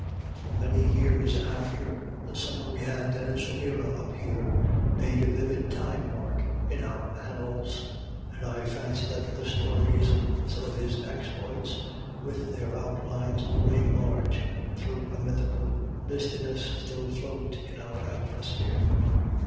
For many years after "the summer we had Denis O'Meara up here" made a vivid time mark in our annals; and I fancy that the stories of some of his exploits, with their outlines looming large through a mythical mistiness, still float in our atmosphere.